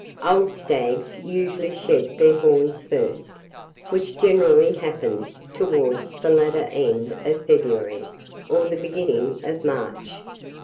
Old stags usually shed their horns first, which generally happens towards the latter end of February or the beginning of March.